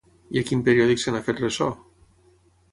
I a quin periòdic se n'ha fet ressò?